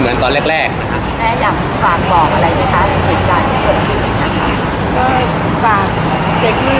มันไม่ดี